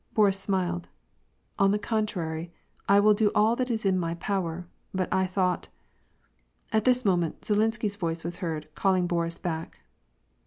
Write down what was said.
Boris smiled :" On the contrary, I will do all that is in my power. But I thought "— At this moment, Zhilinsky's voice was heard, calling Boris hack.